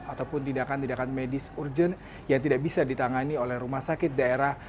ataupun tindakan tindakan medis urgent yang tidak bisa ditangani oleh rumah sakit daerah